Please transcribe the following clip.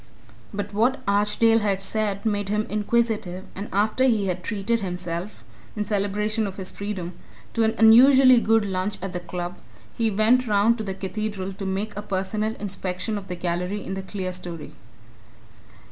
But what Archdale had said made him inquisitive, and after he had treated himself in celebration of his freedom to an unusually good lunch at the Club, he went round to the Cathedral to make a personal inspection of the gallery in the clerestory.